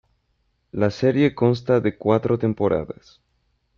La serie consta de cuatro temporadas.